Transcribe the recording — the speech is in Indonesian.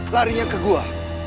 lari yang ke gue